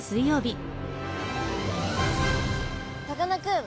さかなクン